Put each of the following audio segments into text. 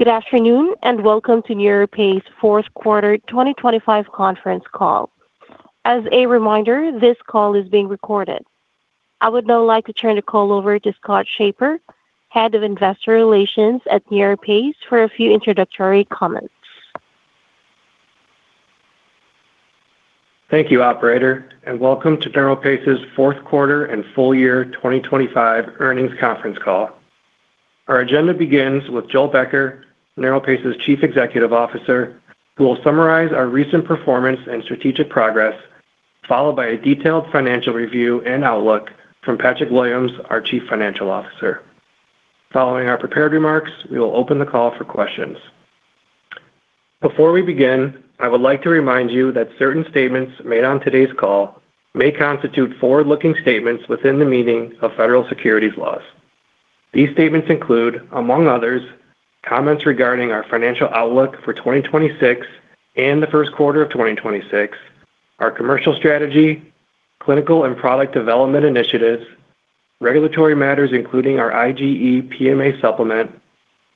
Good afternoon, welcome to NeuroPace Fourth Quarter 2025 Conference Call. As a reminder, this call is being recorded. I would now like to turn the call over to Scott Schaper, Head of Investor Relations at NeuroPace, for a few introductory comments. Thank you, operator, and welcome to NeuroPace's Fourth Quarter and Full Year 2025 Earnings Conference Call. Our agenda begins with Joel Becker, NeuroPace's Chief Executive Officer, who will summarize our recent performance and strategic progress, followed by a detailed financial review and outlook from Patrick Williams, our Chief Financial Officer. Following our prepared remarks, we will open the call for questions. Before we begin, I would like to remind you that certain statements made on today's call may constitute forward-looking statements within the meaning of federal securities laws. These statements include, among others, comments regarding our financial outlook for 2026 and the first quarter of 2026, our commercial strategy, clinical and product development initiatives, regulatory matters, including our IGE PMA supplement,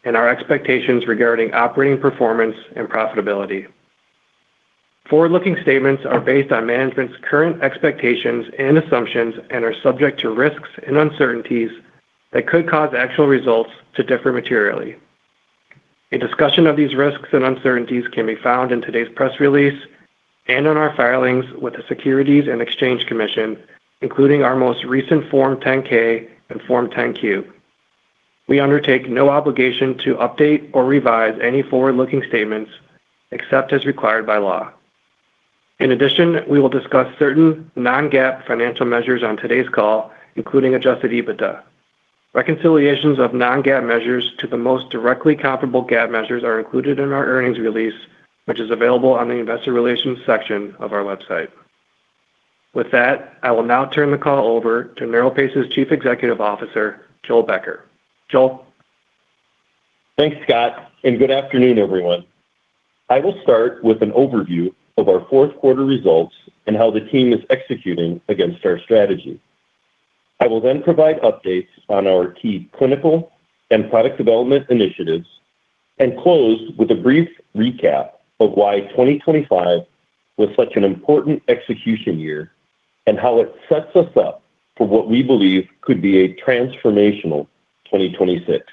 and our expectations regarding operating performance and profitability. Forward-looking statements are based on management's current expectations and assumptions and are subject to risks and uncertainties that could cause actual results to differ materially. A discussion of these risks and uncertainties can be found in today's press release and in our filings with the Securities and Exchange Commission, including our most recent Form 10-K and Form 10-Q. We undertake no obligation to update or revise any forward-looking statements except as required by law. We will discuss certain non-GAAP financial measures on today's call, including adjusted EBITDA. Reconciliations of non-GAAP measures to the most directly comparable GAAP measures are included in our earnings release, which is available on the investor relations section of our website. With that, I will now turn the call over to NeuroPace's Chief Executive Officer, Joel Becker. Joel. Thanks, Scott, good afternoon, everyone. I will start with an overview of our fourth quarter results and how the team is executing against our strategy. I will then provide updates on our key clinical and product development initiatives and close with a brief recap of why 2025 was such an important execution year and how it sets us up for what we believe could be a transformational 2026.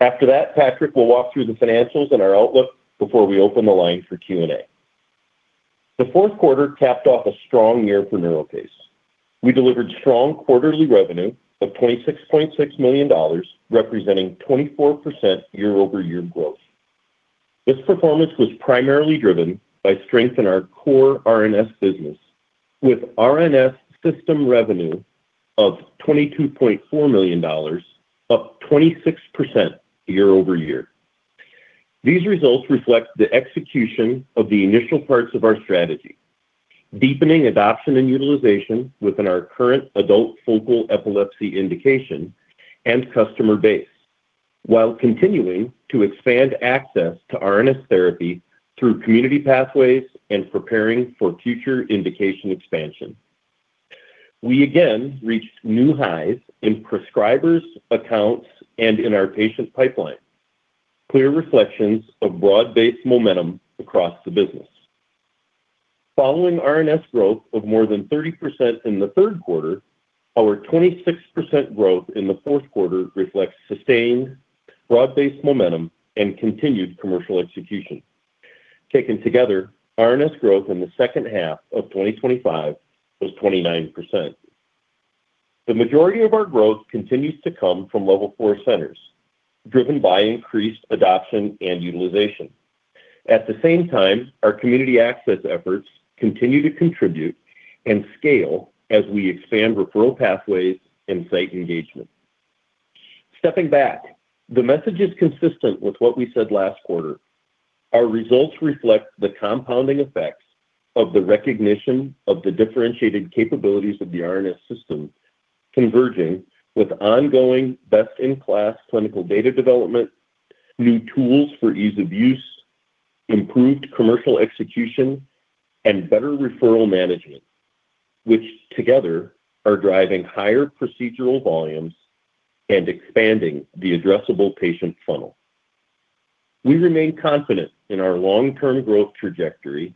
After that, Patrick will walk through the financials and our outlook before we open the line for Q&A. The fourth quarter capped off a strong year for NeuroPace. We delivered strong quarterly revenue of $26.6 million, representing 24% year-over-year growth. This performance was primarily driven by strength in our core RNS business, with RNS System revenue of $22.4 million, up 26% year-over-year. These results reflect the execution of the initial parts of our strategy, deepening adoption and utilization within our current adult focal epilepsy indication and customer base, while continuing to expand access to RNS therapy through community pathways and preparing for future indication expansion. We again reached new highs in prescribers, accounts, and in our patient pipeline, clear reflections of broad-based momentum across the business. Following RNS growth of more than 30% in the third quarter, our 26% growth in the fourth quarter reflects sustained broad-based momentum and continued commercial execution. Taken together, RNS growth in the second half of 2025 was 29%. The majority of our growth continues to come from Level 4 centers, driven by increased adoption and utilization. At the same time, our community access efforts continue to contribute and scale as we expand referral pathways and site engagement. Stepping back, the message is consistent with what we said last quarter. Our results reflect the compounding effects of the recognition of the differentiated capabilities of the RNS System, converging with ongoing best-in-class clinical data development, new tools for ease of use, improved commercial execution, and better referral management, which together are driving higher procedural volumes and expanding the addressable patient funnel. We remain confident in our long-term growth trajectory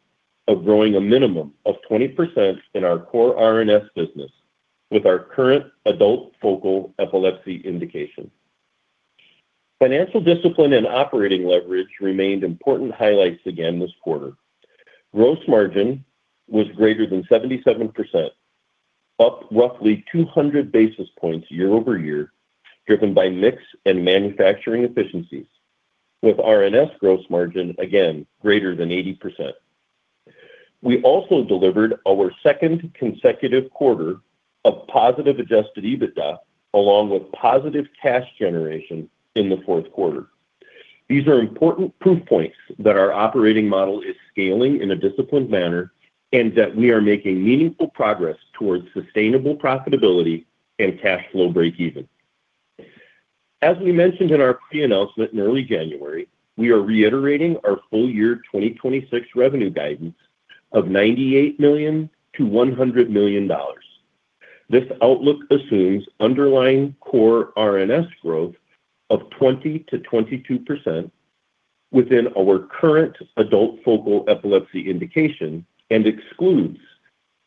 of growing a minimum of 20% in our core RNS business with our current adult focal epilepsy indication. Financial discipline and operating leverage remained important highlights again this quarter. Gross margin was greater than 77%, up roughly 200 basis points year-over-year, driven by mix and manufacturing efficiencies, with RNS gross margin again greater than 80%. We also delivered our second consecutive quarter of positive adjusted EBITDA along with positive cash generation in the fourth quarter. These are important proof points that our operating model is scaling in a disciplined manner and that we are making meaningful progress towards sustainable profitability and cash flow breakeven. As we mentioned in our pre-announcement in early January, we are reiterating our full year 2026 revenue guidance of $98 million-$100 million. This outlook assumes underlying core RNS growth of 20%-22% within our current adult focal epilepsy indication and excludes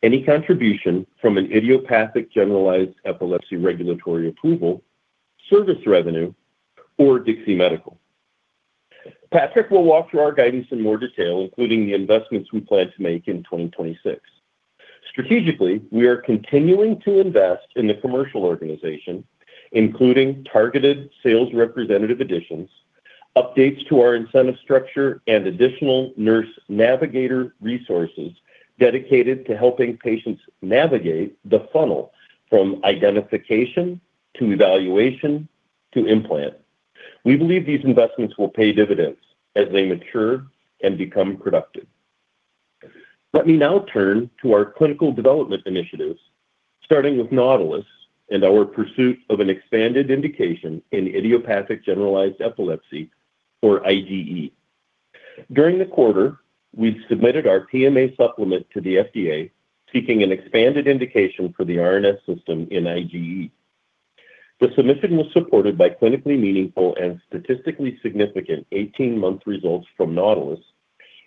any contribution from an idiopathic generalized epilepsy regulatory approval, service revenue, or DIXI Medical. Patrick will walk through our guidance in more detail, including the investments we plan to make in 2026. Strategically, we are continuing to invest in the commercial organization, including targeted sales representative additions, updates to our incentive structure, and additional nurse navigator resources dedicated to helping patients navigate the funnel from identification to evaluation to implant. We believe these investments will pay dividends as they mature and become productive. Let me now turn to our clinical development initiatives, starting with NAUTILUS and our pursuit of an expanded indication in idiopathic generalized epilepsy, or IGE. During the quarter, we've submitted our PMA supplement to the FDA, seeking an expanded indication for the RNS System in IGE. The submission was supported by clinically meaningful and statistically significant 18-month results from NAUTILUS,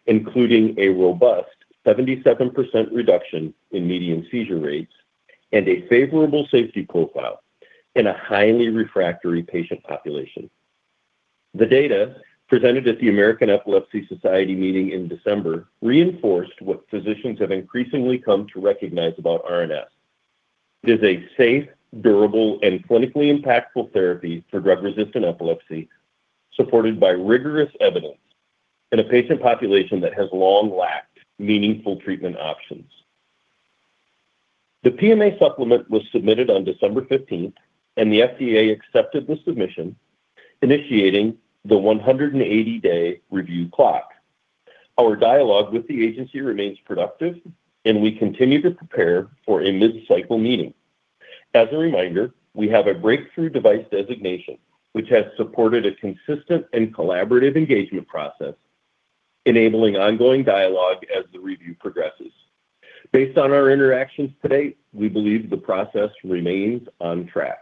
including a robust 77% reduction in median seizure rates and a favorable safety profile in a highly refractory patient population. The data presented at the American Epilepsy Society meeting in December reinforced what physicians have increasingly come to recognize about RNS. It is a safe, durable, and clinically impactful therapy for drug-resistant epilepsy supported by rigorous evidence in a patient population that has long lacked meaningful treatment options. The PMA supplement was submitted on December 15th, and the FDA accepted the submission, initiating the 180-day review clock. Our dialogue with the agency remains productive, and we continue to prepare for a mid-cycle meeting. As a reminder, we have a Breakthrough Device designation, which has supported a consistent and collaborative engagement process, enabling ongoing dialogue as the review progresses. Based on our interactions to date, we believe the process remains on track.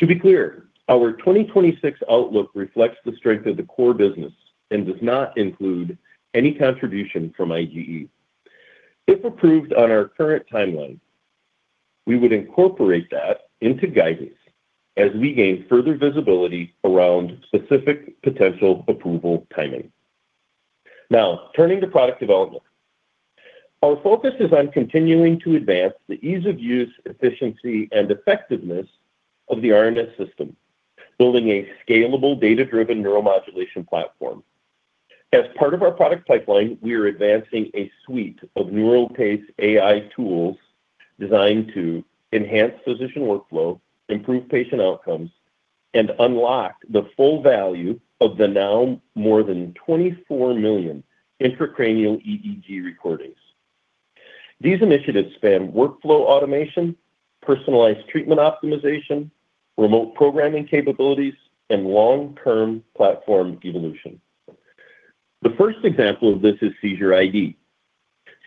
To be clear, our 2026 outlook reflects the strength of the core business and does not include any contribution from IGE. If approved on our current timeline, we would incorporate that into guidance as we gain further visibility around specific potential approval timing. Turning to product development. Our focus is on continuing to advance the ease of use, efficiency, and effectiveness of the RNS System, building a scalable, data-driven neuromodulation platform. As part of our product pipeline, we are advancing a suite of NeuroPace AI tools designed to enhance physician workflow, improve patient outcomes, and unlock the full value of the now more than 24 million Intracranial EEG recordings. These initiatives span workflow automation, personalized treatment optimization, remote programming capabilities, and long-term platform evolution. The first example of this is Seizure ID.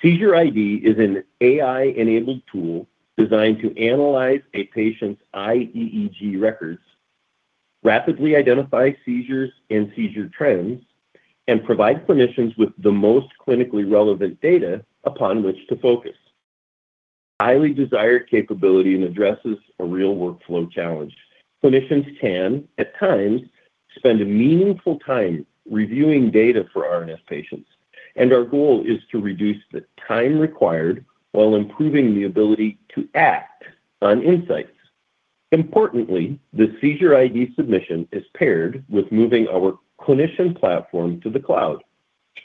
Seizure ID is an AI-enabled tool designed to analyze a patient's iEEG records, rapidly identify seizures and seizure trends, and provide clinicians with the most clinically relevant data upon which to focus. Highly desired capability and addresses a real workflow challenge. Clinicians can, at times, spend meaningful time reviewing data for RNS patients, and our goal is to reduce the time required while improving the ability to act on insights. Importantly, the Seizure ID submission is paired with moving our clinician platform to the cloud,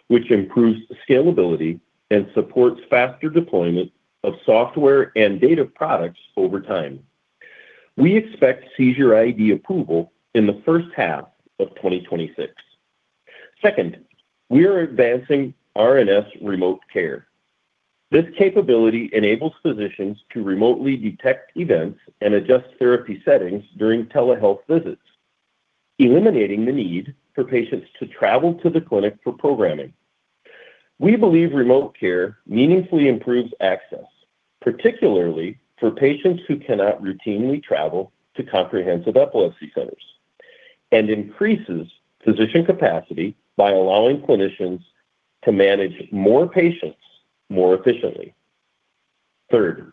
which improves scalability and supports faster deployment of software and data products over time. We expect Seizure ID approval in the first half of 2026. Second, we are advancing RNS remote care. This capability enables physicians to remotely detect events and adjust therapy settings during telehealth visits, eliminating the need for patients to travel to the clinic for programming. We believe remote care meaningfully improves access, particularly for patients who cannot routinely travel to comprehensive epilepsy centers, and increases physician capacity by allowing clinicians to manage more patients more efficiently. Third,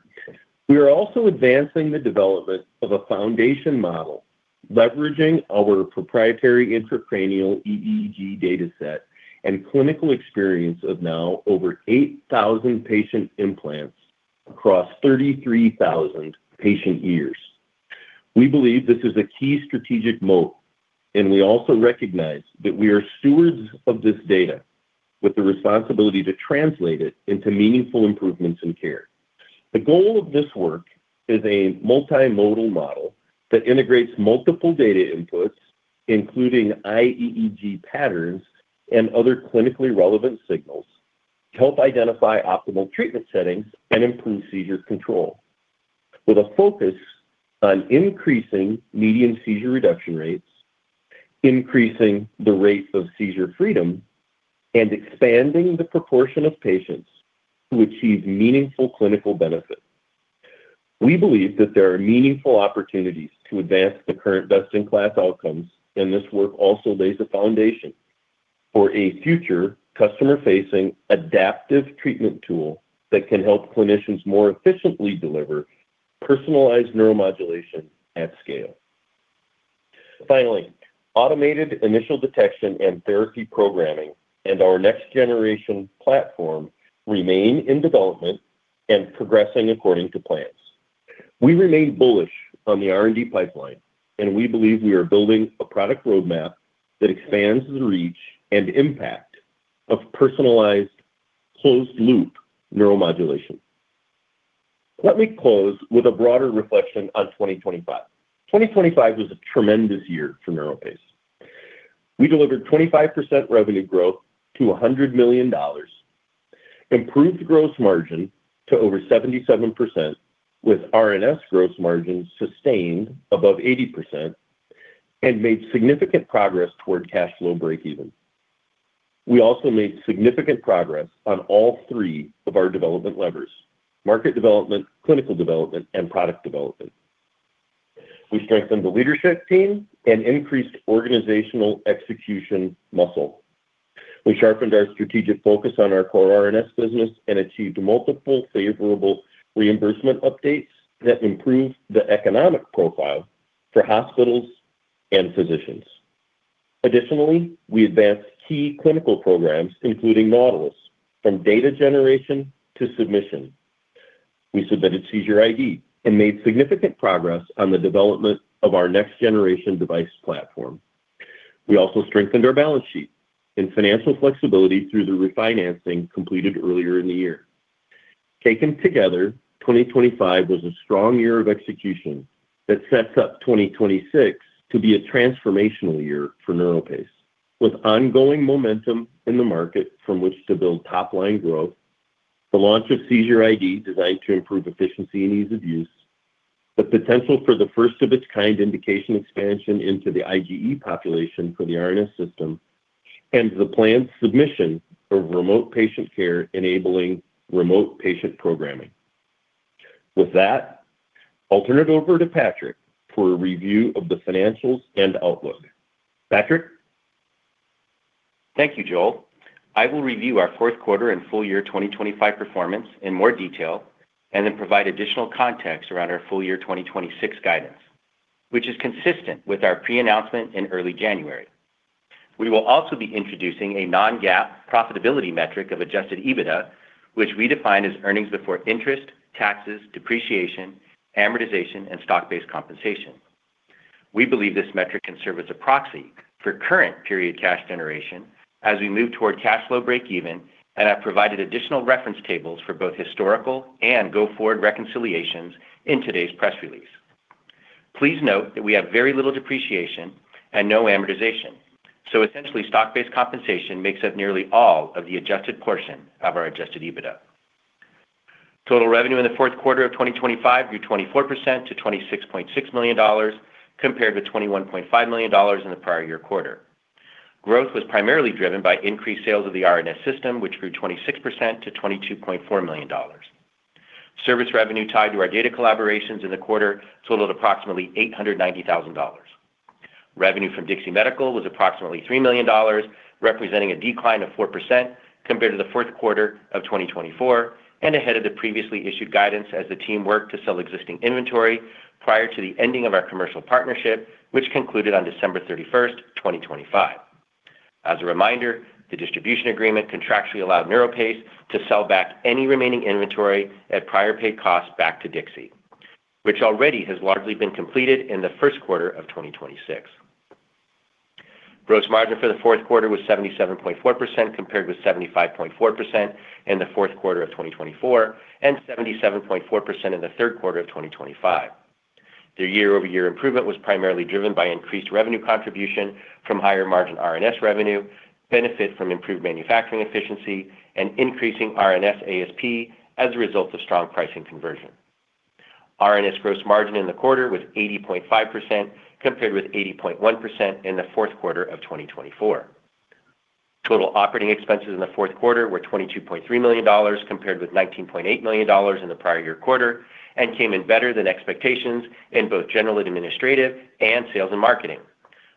we are also advancing the development of a foundation model leveraging our proprietary Intracranial EEG data set and clinical experience of now over 8,000 patient implants across 33,000 patient years. We believe this is a key strategic moat, and we also recognize that we are stewards of this data with the responsibility to translate it into meaningful improvements in care. The goal of this work is a multimodal model that integrates multiple data inputs, including iEEG patterns and other clinically relevant signals to help identify optimal treatment settings and improve seizure control with a focus on Increasing the rates of seizure freedom and expanding the proportion of patients who achieve meaningful clinical benefit. We believe that there are meaningful opportunities to advance the current best-in-class outcomes. This work also lays a foundation for a future customer-facing adaptive treatment tool that can help clinicians more efficiently deliver personalized neuromodulation at scale. Finally, automated initial detection and therapy programming and our next-generation platform remain in development and progressing according to plans. We remain bullish on the R&D pipeline. We believe we are building a product roadmap that expands the reach and impact of personalized closed-loop neuromodulation. Let me close with a broader reflection on 2025. 2025 was a tremendous year for NeuroPace. We delivered 25% revenue growth to $100 million, improved gross margin to over 77%, with RNS gross margins sustained above 80%, and made significant progress toward cash flow breakeven. We also made significant progress on all three of our development levers: market development, clinical development, and product development. We strengthened the leadership team and increased organizational execution muscle. We sharpened our strategic focus on our core RNS business and achieved multiple favorable reimbursement updates that improved the economic profile for hospitals and physicians. Additionally, we advanced key clinical programs, including models from data generation to submission. We submitted Seizure ID and made significant progress on the development of our next-generation device platform. We also strengthened our balance sheet and financial flexibility through the refinancing completed earlier in the year. Taken together, 2025 was a strong year of execution that sets up 2026 to be a transformational year for NeuroPace. With ongoing momentum in the market from which to build top-line growth, the launch of Seizure ID designed to improve efficiency and ease of use, the potential for the first of its kind indication expansion into the IGE population for the RNS System, and the planned submission for remote patient care enabling remote patient programming. With that, I'll turn it over to Patrick for a review of the financials and outlook. Patrick? Thank you, Joel. I will review our fourth quarter and full year 2025 performance in more detail and then provide additional context around our full year 2026 guidance, which is consistent with our pre-announcement in early January. We will also be introducing a non-GAAP profitability metric of adjusted EBITDA, which we define as earnings before interest, taxes, depreciation, amortization, and stock-based compensation. We believe this metric can serve as a proxy for current period cash generation as we move toward cash flow breakeven and have provided additional reference tables for both historical and go-forward reconciliations in today's press release. Please note that we have very little depreciation and no amortization, so essentially stock-based compensation makes up nearly all of the adjusted portion of our adjusted EBITDA. Total revenue in the fourth quarter of 2025 grew 24% to $26.6 million compared to $21.5 million in the prior year quarter. Growth was primarily driven by increased sales of the RNS System, which grew 26% to $22.4 million. Service revenue tied to our data collaborations in the quarter totaled approximately $890,000. Revenue from DIXI Medical was approximately $3 million, representing a decline of 4% compared to the fourth quarter of 2024 and ahead of the previously issued guidance as the team worked to sell existing inventory prior to the ending of our commercial partnership, which concluded on December 31, 2025. As a reminder, the distribution agreement contractually allowed NeuroPace to sell back any remaining inventory at prior paid costs back to DIXI, which already has largely been completed in the first quarter of 2026. Gross margin for the fourth quarter was 77.4% compared with 75.4% in the fourth quarter of 2024 and 77.4% in the third quarter of 2025. The year-over-year improvement was primarily driven by increased revenue contribution from higher margin RNS revenue, benefit from improved manufacturing efficiency, and increasing RNS ASP as a result of strong pricing conversion. RNS gross margin in the quarter was 80.5% compared with 80.1% in the fourth quarter of 2024. Total operating expenses in the fourth quarter were $22.3 million compared with $19.8 million in the prior year quarter and came in better than expectations in both general administrative and sales and marketing,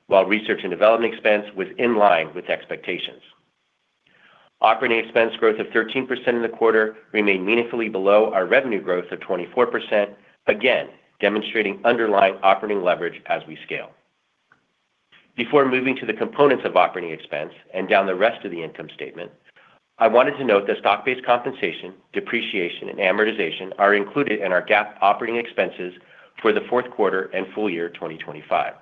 while research and development expense was in line with expectations. Operating expense growth of 13% in the quarter remained meaningfully below our revenue growth of 24%, again demonstrating underlying operating leverage as we scale. Before moving to the components of operating expense and down the rest of the income statement, I wanted to note that stock-based compensation, depreciation, and amortization are included in our GAAP operating expenses for the fourth quarter and full year 2025.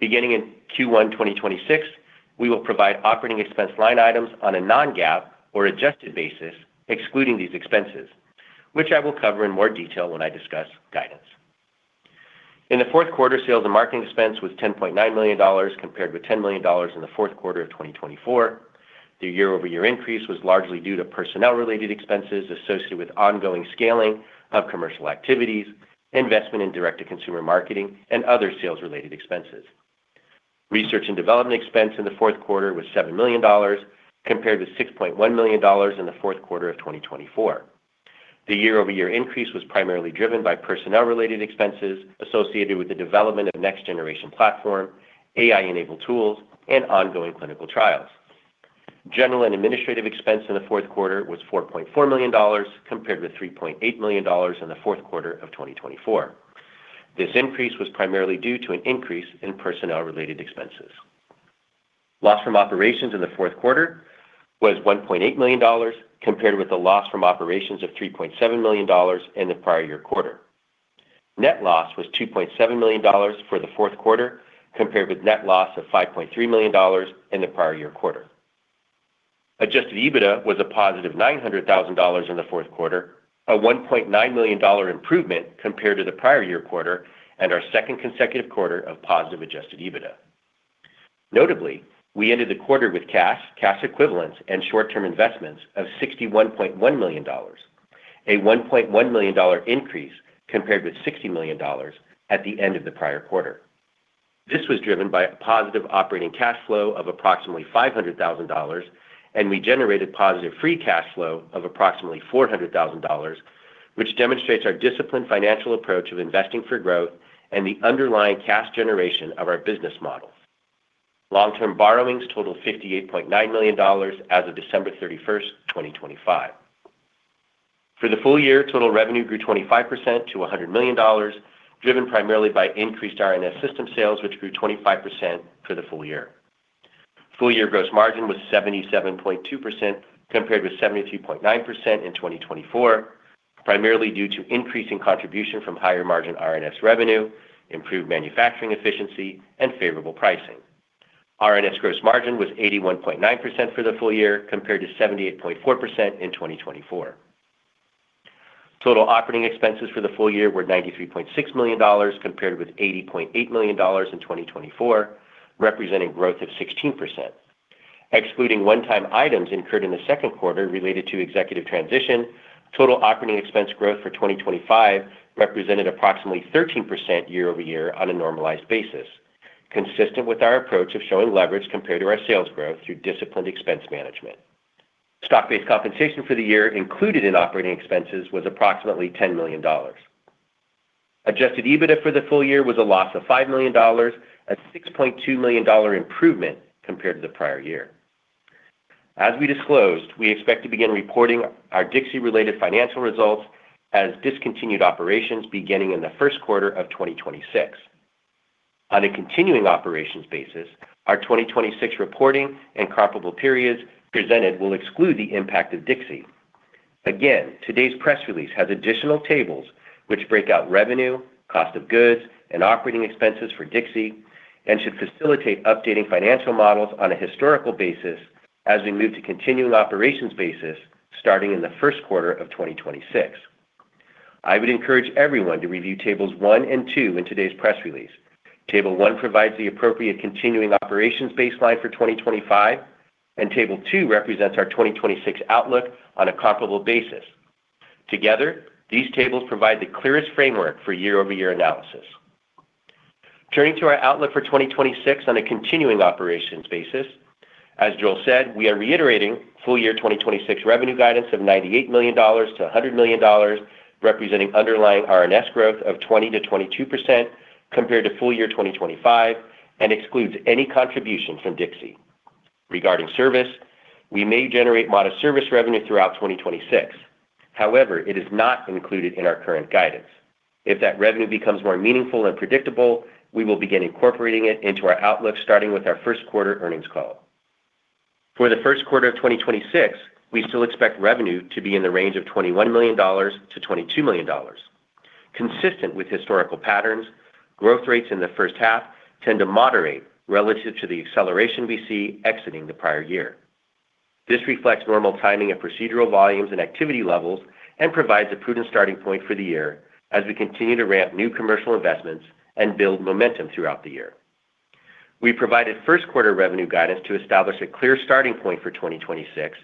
Beginning in Q1 2026, we will provide operating expense line items on a non-GAAP or adjusted basis, excluding these expenses, which I will cover in more detail when I discuss guidance. In the fourth quarter, sales and marketing expense was $10.9 million compared with $10 million in the fourth quarter of 2024. The year-over-year increase was largely due to personnel-related expenses associated with ongoing scaling of commercial activities, investment in direct-to-consumer marketing, and other sales-related expenses. Research and development expense in the fourth quarter was $7 million compared to $6.1 million in the fourth quarter of 2024. The year-over-year increase was primarily driven by personnel-related expenses associated with the development of next-generation platform, AI-enabled tools, and ongoing clinical trials. General and administrative expense in the fourth quarter was $4.4 million compared with $3.8 million in the fourth quarter of 2024. This increase was primarily due to an increase in personnel-related expenses. Loss from operations in the fourth quarter was $1.8 million compared with a loss from operations of $3.7 million in the prior year quarter. Net loss was $2.7 million for the fourth quarter compared with net loss of $5.3 million in the prior year quarter. Adjusted EBITDA was a positive $900,000 in the fourth quarter, a $1.9 million improvement compared to the prior year quarter and our second consecutive quarter of positive adjusted EBITDA. Notably, we ended the quarter with cash, cash equivalents, and short-term investments of $61.1 million, a $1.1 million increase compared with $60 million at the end of the prior quarter. This was driven by a positive operating cash flow of approximately $500,000, and we generated positive free cash flow of approximately $400,000, which demonstrates our disciplined financial approach of investing for growth and the underlying cash generation of our business model. Long-term borrowings totaled $58.9 million as of December 31st, 2025. For the full year, total revenue grew 25% to $100 million, driven primarily by increased RNS System sales, which grew 25% for the full year. Full year gross margin was 77.2% compared with 72.9% in 2024, primarily due to increasing contribution from higher margin RNS revenue, improved manufacturing efficiency, and favorable pricing. RNS gross margin was 81.9% for the full year compared to 78.4% in 2024. Total operating expenses for the full year were $93.6 million compared with $80.8 million in 2024, representing growth of 16%. Excluding one-time items incurred in the second quarter related to executive transition, total operating expense growth for 2025 represented approximately 13% year-over-year on a normalized basis, consistent with our approach of showing leverage compared to our sales growth through disciplined expense management. Stock-based compensation for the year included in operating expenses was approximately $10 million. Adjusted EBITDA for the full year was a loss of $5 million, a $6.2 million improvement compared to the prior year. As we disclosed, we expect to begin reporting our DIXI-related financial results as discontinued operations beginning in the first quarter of 2026. On a continuing operations basis, our 2026 reporting and comparable periods presented will exclude the impact of DIXI. Again, today's press release has additional tables which break out revenue, cost of goods, and operating expenses for DIXI and should facilitate updating financial models on a historical basis as we move to continuing operations basis starting in the first quarter of 2026. I would encourage everyone to review tables 1 and 2 in today's press release. Table 1 provides the appropriate continuing operations baseline for 2025, and Table 2 represents our 2026 outlook on a comparable basis. Together, these tables provide the clearest framework for year-over-year analysis. Turning to our outlook for 2026 on a continuing operations basis. As Joel said, we are reiterating full year 2026 revenue guidance of $98 million-$100 million, representing underlying RNS growth of 20%-22% compared to full year 2025 and excludes any contribution from DIXI. Regarding service, we may generate modest service revenue throughout 2026. However, it is not included in our current guidance. If that revenue becomes more meaningful and predictable, we will begin incorporating it into our outlook starting with our first quarter earnings call. For the first quarter of 2026, we still expect revenue to be in the range of $21 million-$22 million. Consistent with historical patterns, growth rates in the first half tend to moderate relative to the acceleration we see exiting the prior year. This reflects normal timing of procedural volumes and activity levels and provides a prudent starting point for the year as we continue to ramp new commercial investments and build momentum throughout the year. We provided first quarter revenue guidance to establish a clear starting point for 2026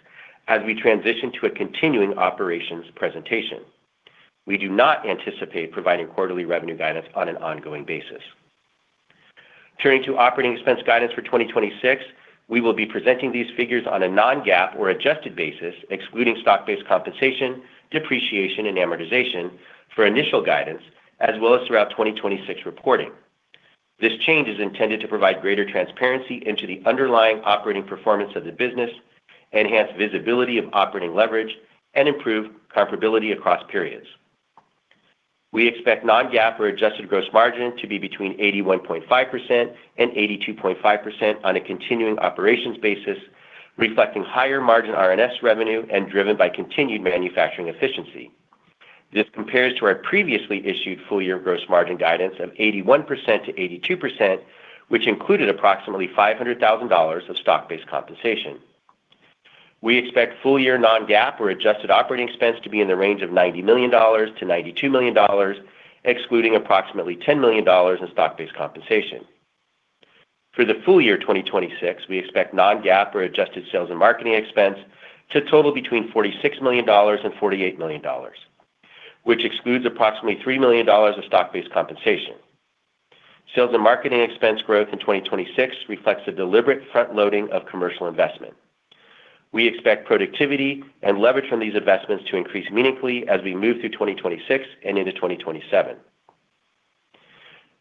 as we transition to a continuing operations presentation. We do not anticipate providing quarterly revenue guidance on an ongoing basis. Turning to operating expense guidance for 2026, we will be presenting these figures on a non-GAAP or adjusted basis, excluding stock-based compensation, depreciation, and amortization for initial guidance, as well as throughout 2026 reporting. This change is intended to provide greater transparency into the underlying operating performance of the business, enhance visibility of operating leverage, and improve comparability across periods. We expect non-GAAP or adjusted gross margin to be between 81.5% and 82.5% on a continuing operations basis, reflecting higher margin RNS revenue and driven by continued manufacturing efficiency. This compares to our previously issued full year gross margin guidance of 81%-82%, which included approximately $500,000 of stock-based compensation. We expect full year non-GAAP or adjusted operating expense to be in the range of $90 million-$92 million, excluding approximately $10 million in stock-based compensation. For the full year 2026, we expect non-GAAP or adjusted sales and marketing expense to total between $46 million and $48 million, which excludes approximately $3 million of stock-based compensation. Sales and marketing expense growth in 2026 reflects a deliberate front loading of commercial investment. We expect productivity and leverage from these investments to increase meaningfully as we move through 2026 and into 2027.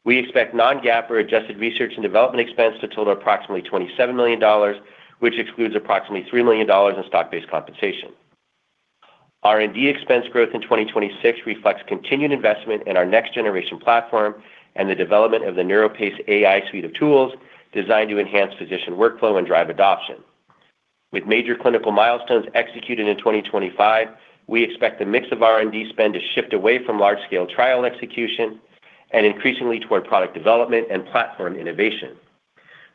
We expect non-GAAP or adjusted research and development expense to total approximately $27 million, which excludes approximately $3 million in stock-based compensation. R&D expense growth in 2026 reflects continued investment in our next generation platform and the development of the NeuroPace AI suite of tools designed to enhance physician workflow and drive adoption. With major clinical milestones executed in 2025, we expect the mix of R&D spend to shift away from large-scale trial execution and increasingly toward product development and platform innovation.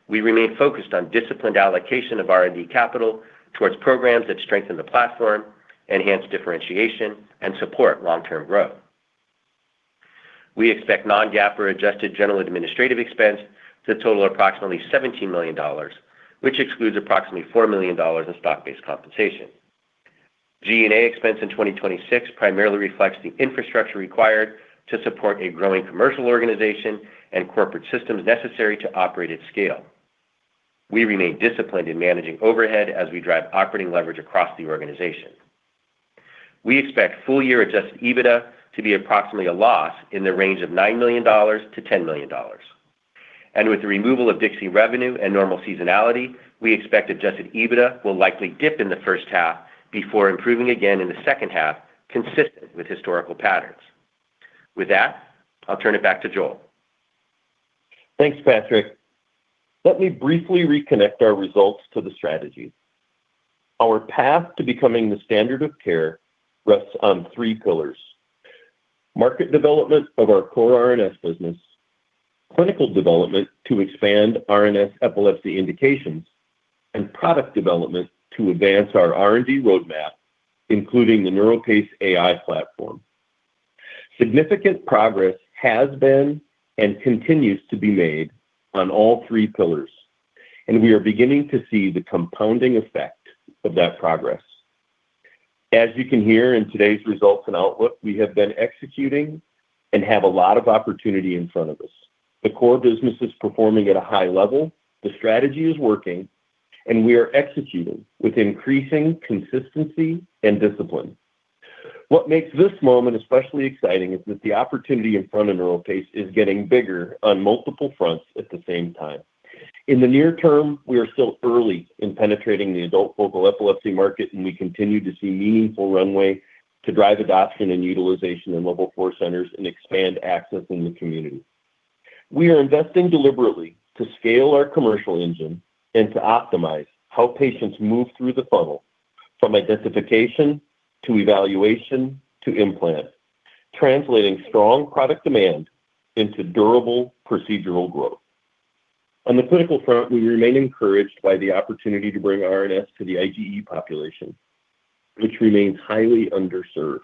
We remain focused on disciplined allocation of R&D capital towards programs that strengthen the platform, enhance differentiation and support long-term growth. We expect non-GAAP or adjusted general administrative expense to total approximately $17 million, which excludes approximately $4 million in stock-based compensation. G&A expense in 2026 primarily reflects the infrastructure required to support a growing commercial organization and corporate systems necessary to operate at scale. We remain disciplined in managing overhead as we drive operating leverage across the organization. We expect full year adjusted EBITDA to be approximately a loss in the range of $9 million-$10 million. With the removal of DIXI revenue and normal seasonality, we expect adjusted EBITDA will likely dip in the first half before improving again in the second half, consistent with historical patterns. With that, I'll turn it back to Joel. Thanks, Patrick. Let me briefly reconnect our results to the strategy. Our path to becoming the standard of care rests on three pillars: market development of our core RNS business, clinical development to expand RNS epilepsy indications, and product development to advance our R&D roadmap, including the NeuroPace AI platform. Significant progress has been and continues to be made on all three pillars. We are beginning to see the compounding effect of that progress. As you can hear in today's results and outlook, we have been executing and have a lot of opportunity in front of us. The core business is performing at a high level. The strategy is working. We are executing with increasing consistency and discipline. What makes this moment especially exciting is that the opportunity in front of NeuroPace is getting bigger on multiple fronts at the same time. In the near term, we are still early in penetrating the adult focal epilepsy market, and we continue to see meaningful runway to drive adoption and utilization in Level 4 centers and expand access in the community. We are investing deliberately to scale our commercial engine and to optimize how patients move through the funnel from identification to evaluation to implant, translating strong product demand into durable procedural growth. On the clinical front, we remain encouraged by the opportunity to bring RNS to the IGE population, which remains highly underserved.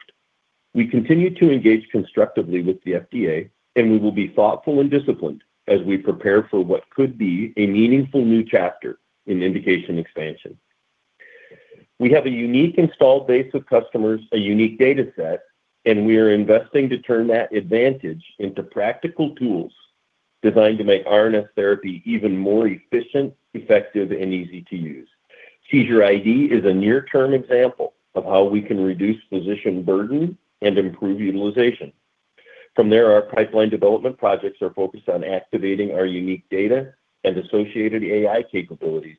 We continue to engage constructively with the FDA, and we will be thoughtful and disciplined as we prepare for what could be a meaningful new chapter in indication expansion. We have a unique installed base of customers, a unique data set, and we are investing to turn that advantage into practical tools designed to make RNS therapy even more efficient, effective and easy to use. Seizure ID is a near-term example of how we can reduce physician burden and improve utilization. Our pipeline development projects are focused on activating our unique data and associated AI capabilities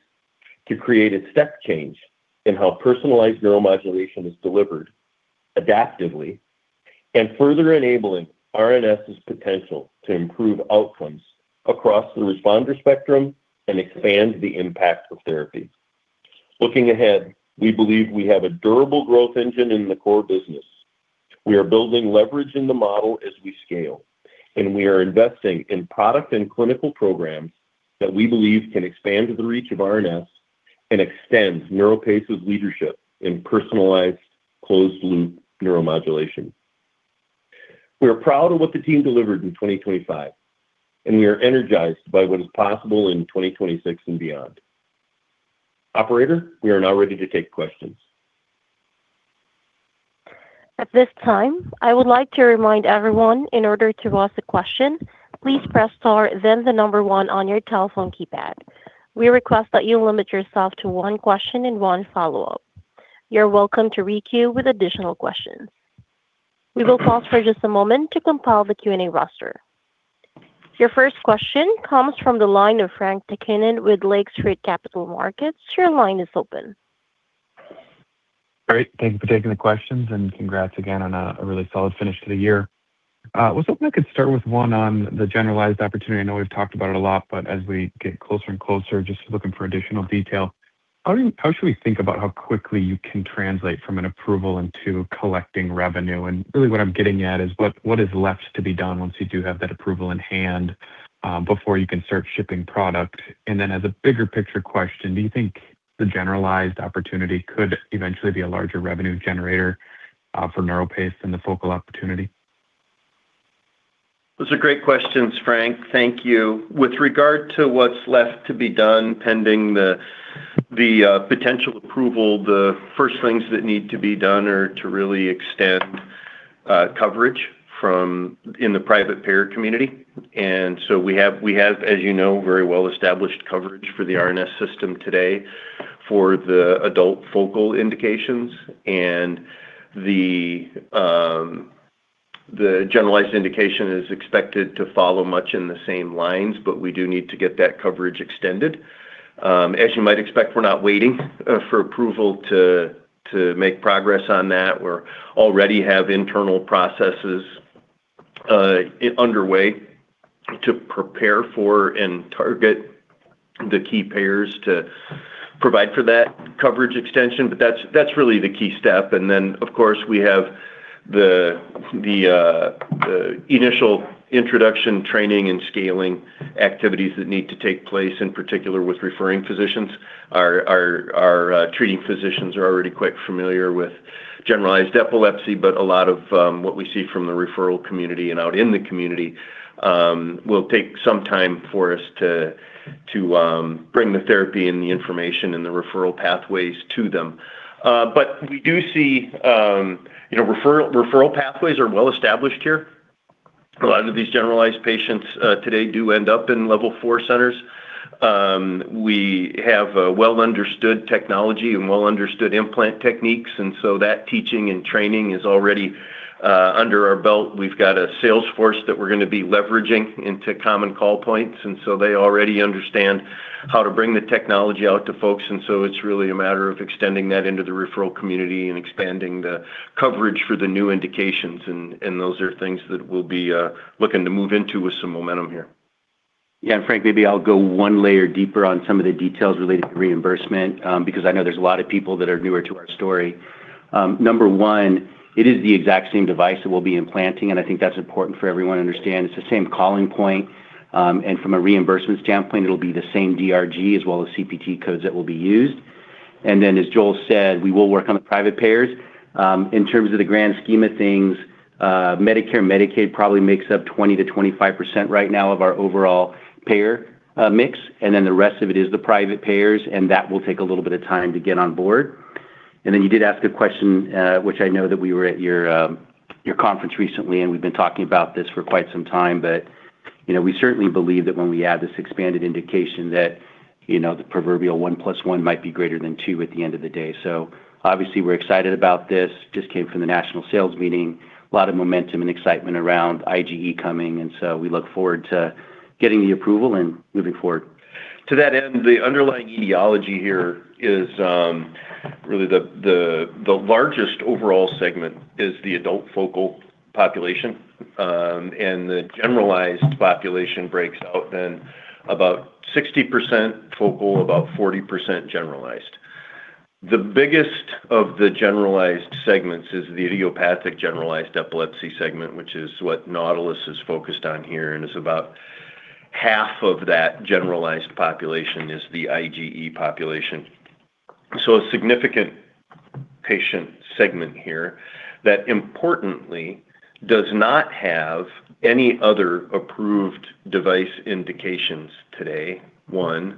to create a step change in how personalized neuromodulation is delivered adaptively and further enabling RNS's potential to improve outcomes across the responder spectrum and expand the impact of therapy. Looking ahead, we believe we have a durable growth engine in the core business. We are building leverage in the model as we scale, and we are investing in product and clinical programs that we believe can expand the reach of RNS and extend NeuroPace's leadership in personalized closed loop neuromodulation. We are proud of what the team delivered in 2025, and we are energized by what is possible in 2026 and beyond. Operator, we are now ready to take questions. At this time, I would like to remind everyone in order to ask a question, please press star then the number one on your telephone keypad. We request that you limit yourself to one question and one follow-up. You're welcome to re-queue with additional questions. We will pause for just a moment to compile the Q&A roster. Your first question comes from the line of Frank Takkinen with Lake Street Capital Markets. Your line is open. Great. Thank you for taking the questions, and congrats again on a really solid finish to the year. I was hoping I could start with one on the generalized opportunity. I know we've talked about it a lot, but as we get closer and closer, just looking for additional detail. How should we think about how quickly you can translate from an approval into collecting revenue? Really what I'm getting at is what is left to be done once you do have that approval in hand, before you can start shipping product? Then as a bigger picture question, do you think the generalized opportunity could eventually be a larger revenue generator for NeuroPace and the focal opportunity? Those are great questions, Frank. Thank you. With regard to what's left to be done pending the potential approval, the first things that need to be done are to really extend coverage in the private payer community. We have, as you know, very well-established coverage for the RNS System today for the adult focal indications and the generalized indication is expected to follow much in the same lines, we do need to get that coverage extended. As you might expect, we're not waiting for approval to make progress on that. We already have internal processes underway to prepare for and target the key payers to provide for that coverage extension. That's really the key step. Of course, we have the initial introduction training and scaling activities that need to take place, in particular with referring physicians. Our treating physicians are already quite familiar with generalized epilepsy. A lot of what we see from the referral community and out in the community will take some time for us to bring the therapy and the information and the referral pathways to them. We do see, you know, referral pathways are well established here. A lot of these generalized patients today do end up in Level 4 centers. We have a well-understood technology and well-understood implant techniques. That teaching and training is already under our belt. We've got a sales force that we're gonna be leveraging into common call points. They already understand how to bring the technology out to folks. It's really a matter of extending that into the referral community and expanding the coverage for the new indications. Those are things that we'll be looking to move into with some momentum here. Yeah. Frank, maybe I'll go one layer deeper on some of the details related to reimbursement, because I know there's a lot of people that are newer to our story. Number one, it is the exact same device that we'll be implanting, and I think that's important for everyone to understand. It's the same calling point, and from a reimbursements standpoint, it'll be the same DRG as well as CPT codes that will be used. As Joel said, we will work on the private payers. In terms of the grand scheme of things, Medicare, Medicaid probably makes up 20%-25% right now of our overall payer mix, and then the rest of it is the private payers, and that will take a little bit of time to get on board. You did ask a question, which I know that we were at your conference recently, and we've been talking about this for quite some time. You know, we certainly believe that when we add this expanded indication that, the proverbial 1 + 1 might be greater than 2 at the end of the day. Obviously, we're excited about this. Just came from the national sales meeting. A lot of momentum and excitement around IGE coming. We look forward to getting the approval and moving forward. To that end, the underlying etiology here is really the largest overall segment is the adult focal population. The generalized population breaks out then about 60% focal, about 40% generalized. The biggest of the generalized segments is the Idiopathic Generalized Epilepsy segment, which is what NAUTILUS is focused on here, and it's about half of that generalized population is the IGE population. A significant patient segment here that importantly does not have any other approved device indications today, 1.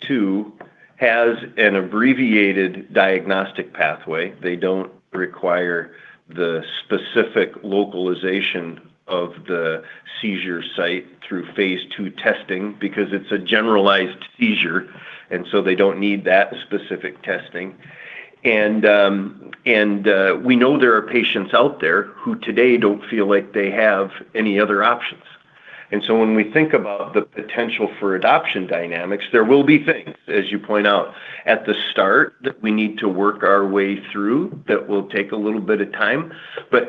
2, has an abbreviated diagnostic pathway. They don't require the specific localization of the seizure site through phase II testing because it's a generalized seizure, and so they don't need that specific testing. We know there are patients out there who today don't feel like they have any other options. When we think about the potential for adoption dynamics, there will be things, as you point out, at the start that we need to work our way through that will take a little bit of time.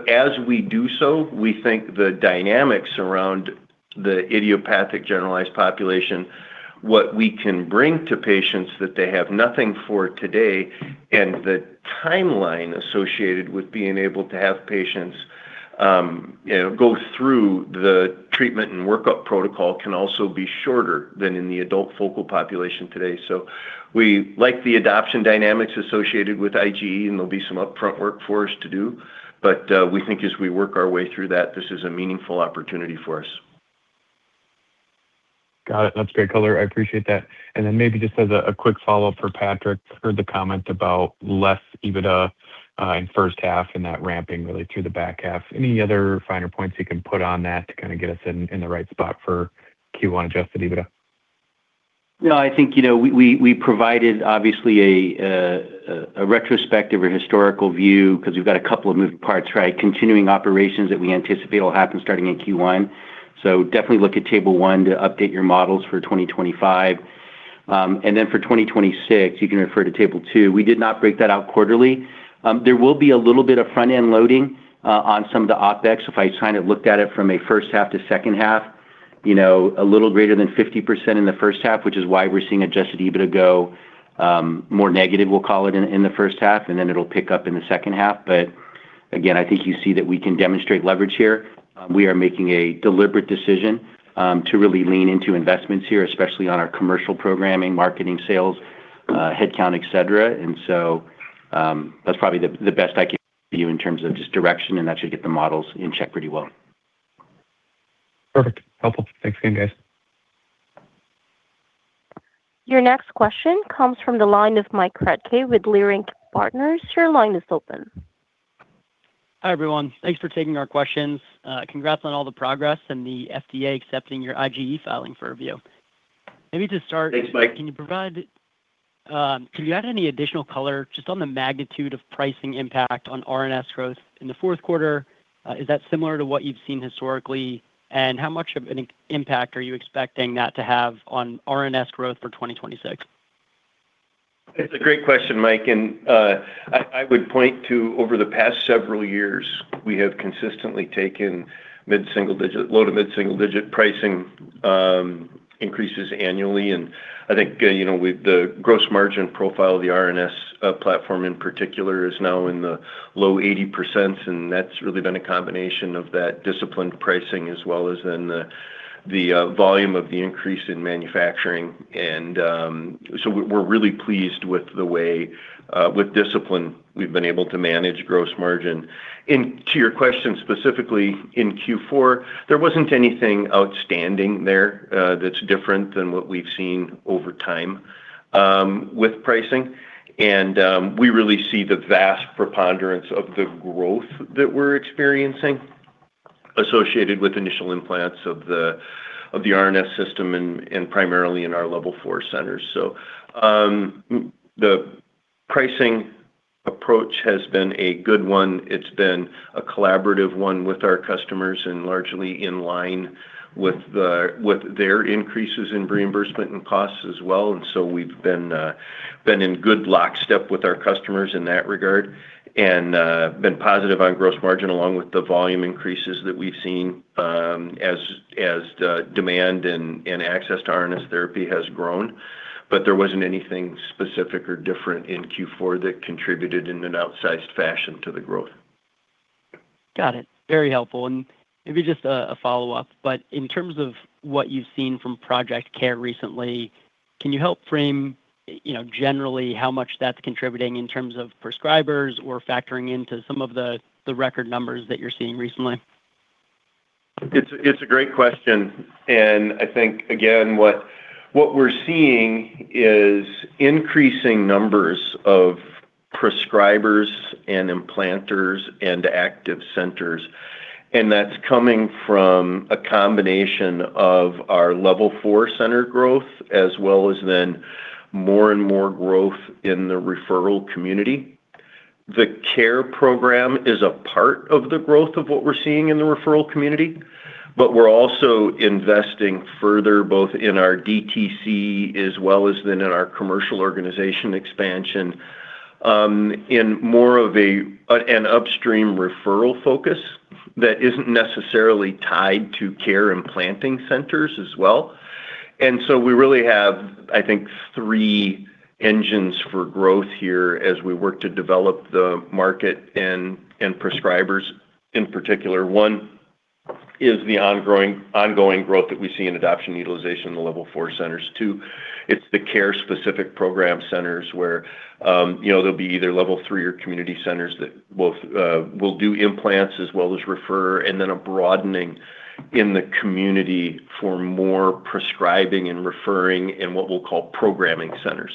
As we do so, we think the dynamics around the Idiopathic Generalized population, what we can bring to patients that they have nothing for today, and the timeline associated with being able to have patients go through the treatment and workup protocol can also be shorter than in the adult focal population today. We like the adoption dynamics associated with IGE, and there'll be some upfront work for us to do. We think as we work our way through that, this is a meaningful opportunity for us. Got it. That's great color. I appreciate that. Maybe just as a quick follow-up for Patrick. Heard the comment about less EBITDA in first half and that ramping really through the back half. Any other finer points you can put on that to kind of get us in the right spot for Q1 adjusted EBITDA? No, I think, we provided obviously a retrospective or historical view 'cause we've got a couple of moving parts, right. Continuing operations that we anticipate will happen starting in Q1. Definitely look at Table 1 to update your models for 2025. Then for 2026, you can refer to Table 2. We did not break that out quarterly. There will be a little bit of front-end loading on some of the OpEx. If I kind of looked at it from a first half to second half, you know, a little greater than 50% in the first half, which is why we're seeing adjusted EBITDA go more negative, we'll call it, in the first half, and then it'll pick up in the second half. Again, I think you see that we can demonstrate leverage here. We are making a deliberate decision, to really lean into investments here, especially on our commercial programming, marketing, sales, headcount, et cetera. That's probably the best I can give you in terms of just direction, and that should get the models in check pretty well. Perfect. Helpful. Thanks again, guys. Your next question comes from the line of Mike Kratky with Leerink Partners. Your line is open. Hi, everyone. Thanks for taking our questions. Congrats on all the progress and the FDA accepting your IGE filing for review. Maybe to start. Thanks, Mike. Can you add any additional color just on the magnitude of pricing impact on RNS growth in the fourth quarter? Is that similar to what you've seen historically? How much of an impact are you expecting that to have on RNS growth for 2026? It's a great question, Mike. I would point to over the past several years, we have consistently taken mid-single digit low to mid-single digit pricing increases annually. I think, you know, the gross margin profile of the RNS platform in particular is now in the low 80%, and that's really been a combination of that disciplined pricing as well as in the volume of the increase in manufacturing. We're really pleased with the way with discipline we've been able to manage gross margin. To your question specifically in Q4, there wasn't anything outstanding there that's different than what we've seen over time with pricing. We really see the vast preponderance of the growth that we're experiencing associated with initial implants of the RNS System and primarily in our Level 4 centers. The pricing approach has been a good one. It's been a collaborative one with our customers and largely in line with their increases in reimbursement and costs as well. We've been in good lockstep with our customers in that regard and been positive on gross margin along with the volume increases that we've seen as the demand and access to RNS therapy has grown. There wasn't anything specific or different in Q4 that contributed in an outsized fashion to the growth. Got it. Very helpful. Maybe just a follow-up, in terms of what you've seen from Project CARE recently, can you help frame, generally how much that's contributing in terms of prescribers or factoring into some of the record numbers that you're seeing recently? It's a great question. I think again, what we're seeing is increasing numbers of prescribers and implanters and active centers. That's coming from a combination of our Level 4 center growth as well as more and more growth in the referral community. The CARE program is a part of the growth of what we're seeing in the referral community, but we're also investing further both in our DTC as well as in our commercial organization expansion in more of an upstream referral focus that isn't necessarily tied to CARE implanting centers as well. We really have, I think, three engines for growth here as we work to develop the market and prescribers in particular. One is the ongoing growth that we see in adoption utilization in the Level 4 centers. Two, it's the care-specific program centers where, you know, there'll be either Level 3 or community centers that both will do implants as well as refer, and then a broadening in the community for more prescribing and referring in what we'll call programming centers.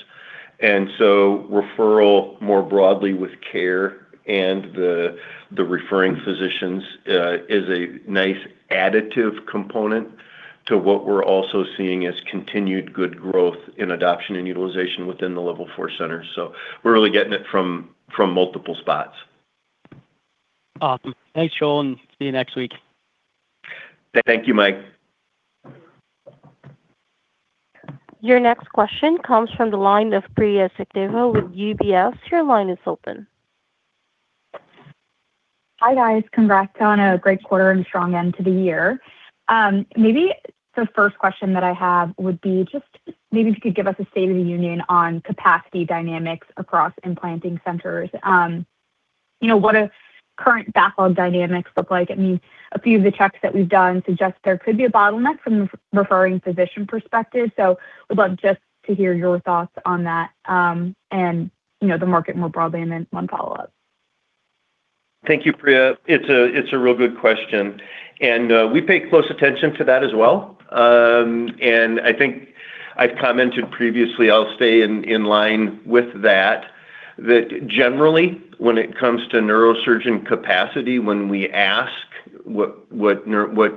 Referral more broadly with care and the referring physicians is a nice additive component to what we're also seeing as continued good growth in adoption and utilization within the Level 4 centers. We're really getting it from multiple spots. Awesome. Thanks, Joel. See you next week. Thank you, Mike. Your next question comes from the line of Priya Sachdeva with UBS. Your line is open. Hi, guys. Congrats on a great quarter and strong end to the year. Maybe the first question that I have would be just maybe if you could give us a state of the union on capacity dynamics across implanting centers. You know, what do current backlog dynamics look like? I mean, a few of the checks that we've done suggest there could be a bottleneck from the referring physician perspective. Would love just to hear your thoughts on the market more broadly, and then one follow-up. Thank you, Priya. It's a real good question, and we pay close attention to that as well. I think I've commented previously, I'll stay in line with that generally when it comes to neurosurgeon capacity, when we ask what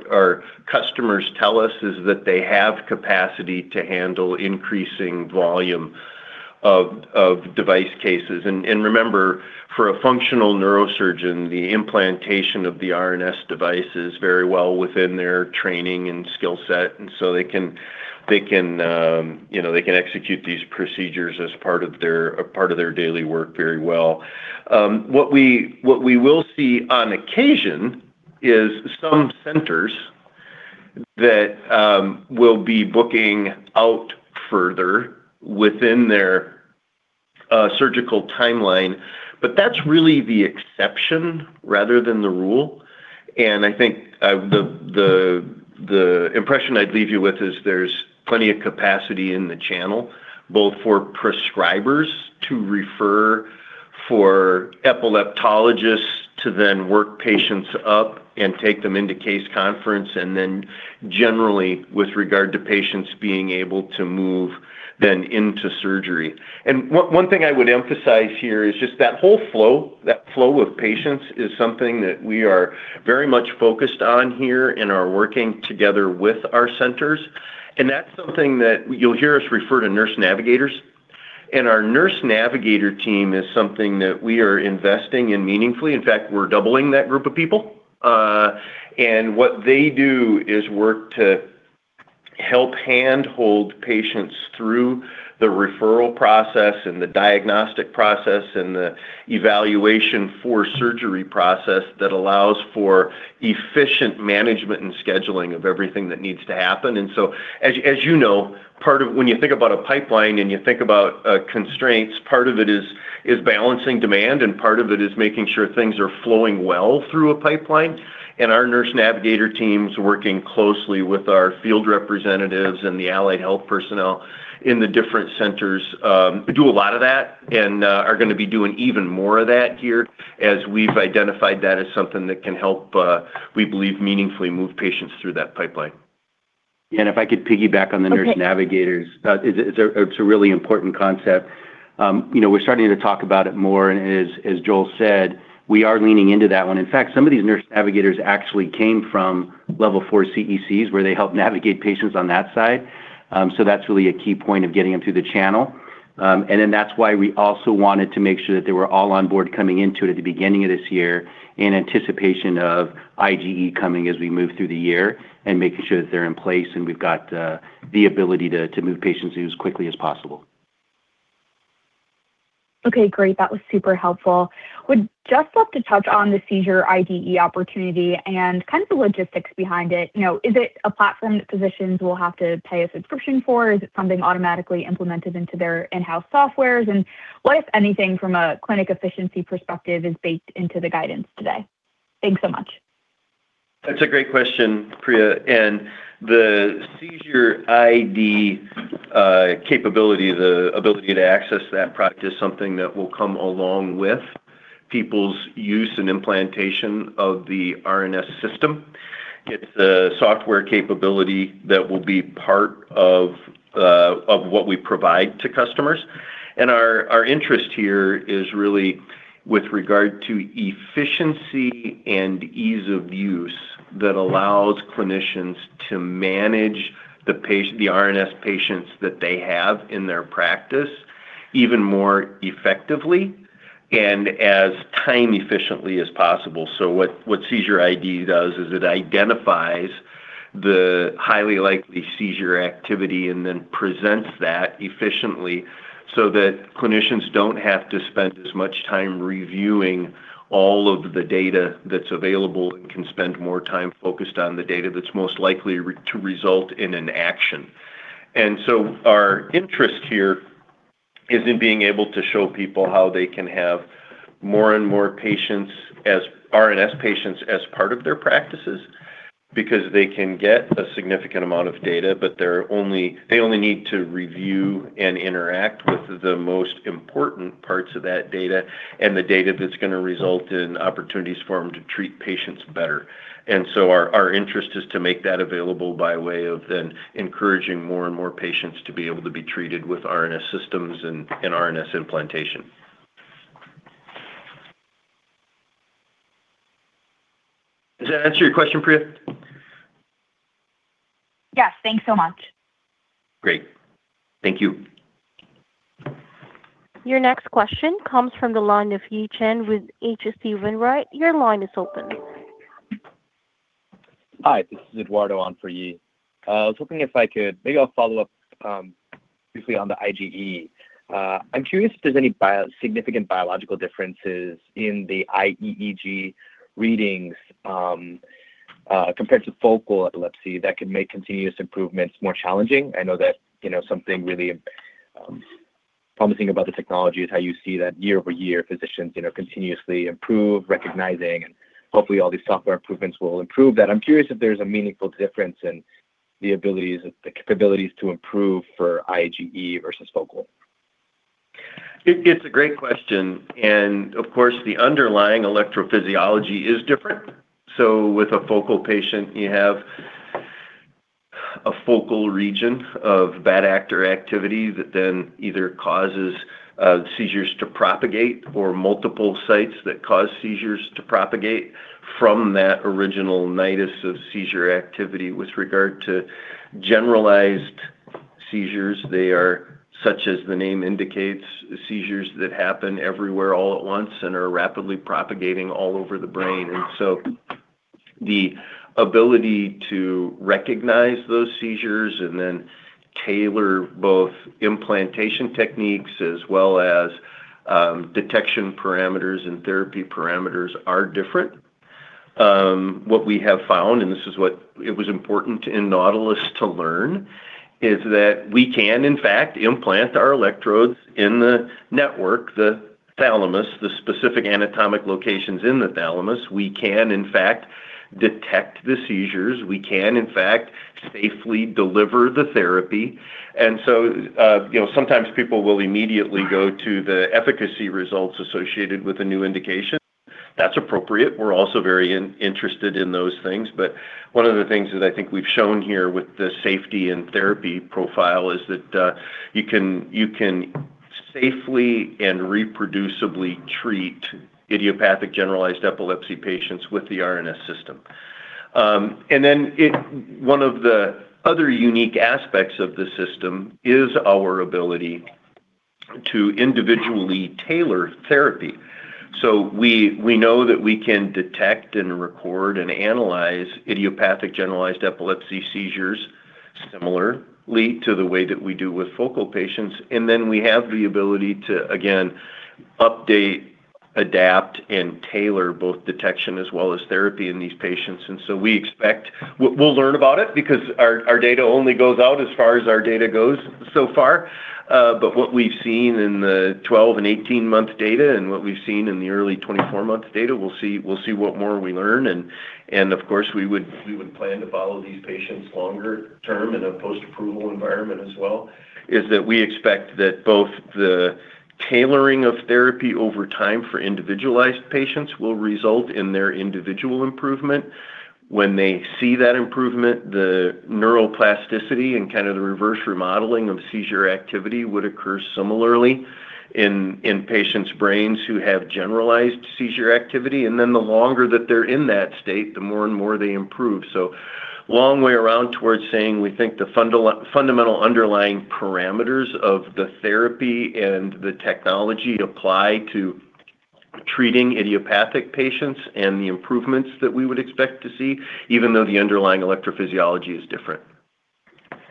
our customers tell us is that they have capacity to handle increasing volume of device cases. Remember, for a functional neurosurgeon, the implantation of the RNS device is very well within their training and skill set. So they can execute these procedures as part of their daily work very well. What we will see on occasion is some centers that will be booking out further within their surgical timeline but that's really the exception rather than the rule and I think the impression I'd leave you with is there's plenty of capacity in the channel both for prescribers to refer for epileptologists to then work patients up and take them into case conference and then generally with regard to patients being able to move then into surgery. One thing I would emphasize here is just that whole flow, that flow of patients is something that we are very much focused on here and are working together with our centers. That's something that you'll hear us refer to nurse navigators and our nurse navigator team is something that we are investing in meaningfully. In fact, we're doubling that group of people. What they do is work to help hand-hold patients through the referral process and the diagnostic process and the evaluation for surgery process that allows for efficient management and scheduling of everything that needs to happen. As you know, when you think about a pipeline and you think about constraints, part of it is balancing demand, and part of it is making sure things are flowing well through a pipeline. Our nurse navigator teams working closely with our field representatives and the allied health personnel in the different centers do a lot of that and are gonna be doing even more of that here as we've identified that as something that can help, we believe meaningfully move patients through that pipeline. If I could piggyback on. Okay. Nurse navigators. It's a really important concept. You know, we're starting to talk about it more, as Joel said, we are leaning into that one. In fact, some of these nurse navigators actually came from Level 4 CECs where they helped navigate patients on that side. That's really a key point of getting them through the channel. Then that's why we also wanted to make sure that they were all on board coming into it at the beginning of this year in anticipation of IGE coming as we move through the year and making sure that they're in place and we've got the ability to move patients as quickly as possible. Okay, great. That was super helpful. Would just love to touch on the seizure ID opportunity and kind of the logistics behind it. You know, is it a platform that physicians will have to pay a subscription for? Is it something automatically implemented into their in-house softwares? What, if anything, from a clinic efficiency perspective is baked into the guidance today? Thanks so much. That's a great question, Priya. The Seizure ID capability, the ability to access that product is something that will come along with people's use and implantation of the RNS System. It's a software capability that will be part of what we provide to customers. Our interest here is really with regard to efficiency and ease of use that allows clinicians to manage the RNS patients that they have in their practice even more effectively and as time efficiently as possible. What Seizure ID does is it identifies the highly likely seizure activity and then presents that efficiently so that clinicians don't have to spend as much time reviewing all of the data that's available and can spend more time focused on the data that's most likely to result in an action. Our interest here is in being able to show people how they can have more and more patients as RNS patients as part of their practices because they can get a significant amount of data, but they only need to review and interact with the most important parts of that data and the data that's gonna result in opportunities for them to treat patients better. Our interest is to make that available by way of then encouraging more and more patients to be able to be treated with RNS systems and RNS implantation. Does that answer your question, Priya? Yes. Thanks so much. Great. Thank you. Your next question comes from the line of Yi Chen with H.C. Wainwright & Co. Your line is open. Hi, this is Eduardo on for Yi. I was hoping if I could maybe I'll follow up briefly on the IGE. I'm curious if there's any significant biological differences in the iEEG readings compared to focal epilepsy that could make continuous improvements more challenging. I know that, something really promising about the technology is how you see that year-over-year physicians continuously improve, recognizing, and hopefully all these software improvements will improve that. I'm curious if there's a meaningful difference in the capabilities to improve for IGE versus focal. It's a great question, of course, the underlying electrophysiology is different. With a focal patient, you have a focal region of bad actor activity that then either causes seizures to propagate or multiple sites that cause seizures to propagate from that original nidus of seizure activity. With regard to generalized seizures, they are, such as the name indicates, seizures that happen everywhere all at once and are rapidly propagating all over the brain. The ability to recognize those seizures and then tailor both implantation techniques as well as detection parameters and therapy parameters are different. What we have found, and this is what it was important in NAUTILUS to learn, is that we can in fact implant our electrodes in the network, the thalamus, the specific anatomic locations in the thalamus. We can in fact detect the seizures. We can in fact safely deliver the therapy. You know, sometimes people will immediately go to the efficacy results associated with a new indication. That's appropriate. We're also very interested in those things. One of the things that I think we've shown here with the safety and therapy profile is that, you can safely and reproducibly treat Idiopathic Generalized Epilepsy patients with the RNS System. One of the other unique aspects of the System is our ability to individually tailor therapy. We know that we can detect and record and analyze Idiopathic Generalized Epilepsy seizures similarly to the way that we do with focal patients. We have the ability to again update, adapt, and tailor both detection as well as therapy in these patients. We'll learn about it because our data only goes out as far as our data goes so far. What we've seen in the 12 and 18-month data and what we've seen in the early 24-month data, we'll see what more we learn. Of course, we would plan to follow these patients longer term in a post-approval environment as well. Is that we expect that both the tailoring of therapy over time for individualized patients will result in their individual improvement. When they see that improvement, the neuroplasticity and kind of the reverse remodeling of seizure activity would occur similarly in patients' brains who have generalized seizure activity. The longer that they're in that state, the more and more they improve. Long way around towards saying we think the fundamental underlying parameters of the therapy and the technology apply to treating idiopathic patients and the improvements that we would expect to see, even though the underlying electrophysiology is different.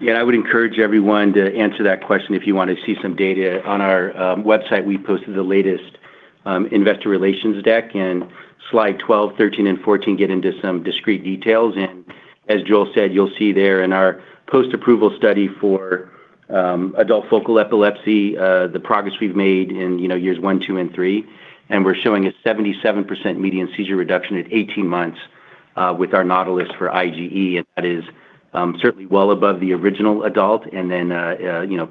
Yeah. I would encourage everyone to answer that question if you want to see some data. On our website, we posted the latest investor relations deck, and slide 12, 13, and 14 get into some discrete details. As Joel said, you'll see there in our post-approval study for adult focal epilepsy, the progress we've made in years 1, 2, and 3. We're showing a 77% median seizure reduction at 18 months with our NAUTILUS for IGE, and that is certainly well above the original adult and then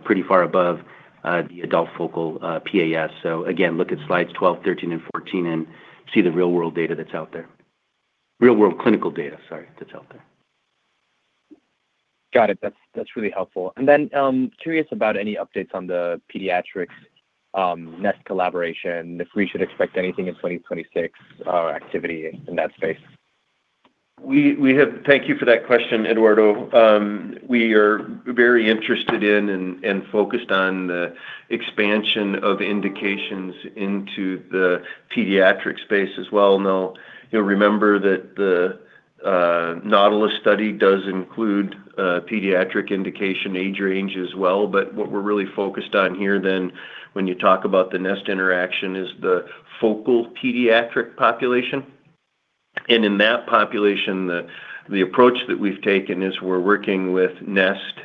pretty far above the adult focal PAS. Again, look at slides 12, 13, and 14 and see the real-world data that's out there. Real-world clinical data, sorry, that's out there. Got it. That's really helpful. Then curious about any updates on the pediatrics, NEST collaboration, if we should expect anything in 2026 activity in that space? Thank you for that question, Eduardo. We are very interested in and focused on the expansion of indications into the pediatric space as well. Now, you'll remember that the NAUTILUS study does include a pediatric indication age range as well. What we're really focused on here then when you talk about the NEST interaction is the focal pediatric population. In that population, the approach that we've taken is we're working with NEST,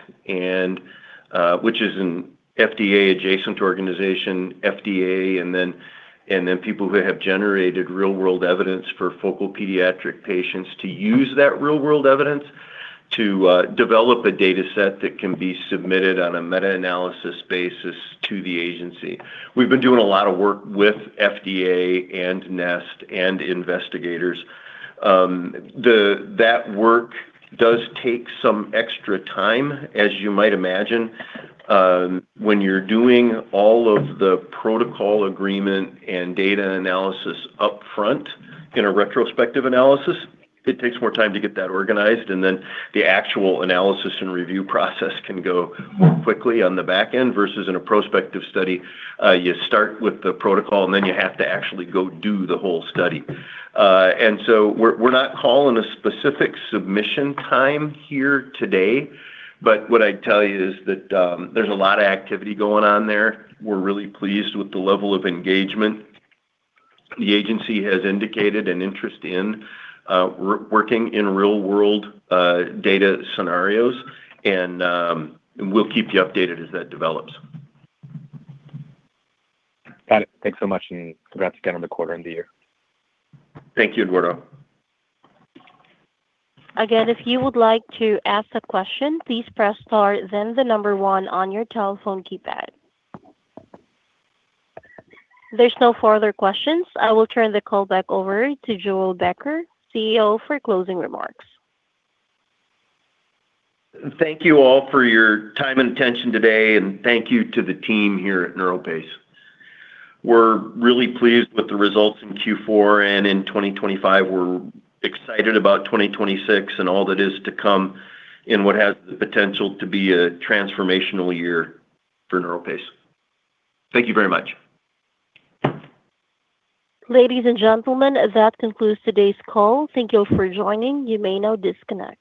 which is an FDA adjacent organization, FDA, and people who have generated real-world evidence for focal pediatric patients to use that real-world evidence to develop a data set that can be submitted on a meta-analysis basis to the agency. We've been doing a lot of work with FDA and NEST and investigators. That work does take some extra time, as you might imagine. When you're doing all of the protocol agreement and data analysis up front in a retrospective analysis, it takes more time to get that organized, and then the actual analysis and review process can go more quickly on the back end versus in a prospective study, you start with the protocol, and then you have to actually go do the whole study. So we're not calling a specific submission time here today, but what I'd tell you is that there's a lot of activity going on there. We're really pleased with the level of engagement. The agency has indicated an interest in working in real-world data scenarios. We'll keep you updated as that develops. Got it. Thanks so much, and congrats again on the quarter and the year. Thank you, Eduardo. Again, if you would like to ask a question, please press star then the number one on your telephone keypad. There's no further questions. I will turn the call back over to Joel Becker, CEO, for closing remarks. Thank you all for your time and attention today. Thank you to the team here at NeuroPace. We're really pleased with the results in Q4 and in 2025. We're excited about 2026 and all that is to come in what has the potential to be a transformational year for NeuroPace. Thank you very much. Ladies and gentlemen, that concludes today's call. Thank you for joining. You may now disconnect.